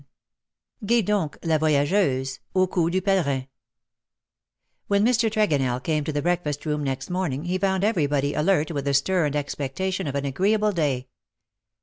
^' GAI DONC, LA VOYAGEUSE^ AU COUP DU PELERIN \" When Mr. Tregonell came to the breakfast room next morning lie found everybody alert with the stir and expectation o£ an agreeable day.